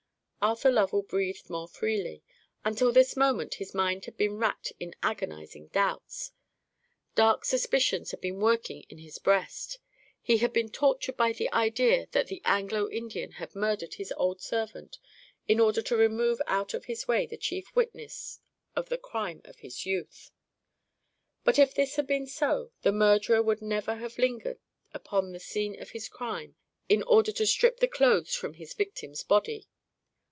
Arthur Lovell breathed more freely; until this moment his mind had been racked in agonizing doubts. Dark suspicions had been working in his breast. He had been tortured by the idea that the Anglo Indian had murdered his old servant, in order to remove out of his way the chief witness of the crime of his youth. But if this had been so, the murderer would never have lingered upon the scene of his crime in order to strip the clothes from his victim's body.